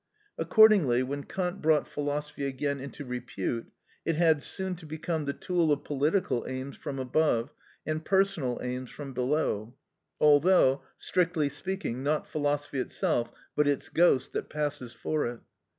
Accordingly, when Kant brought philosophy again into repute, it had soon to become the tool of political aims from above, and personal aims from below; although, strictly speaking, not philosophy itself, but its ghost, that passes for it.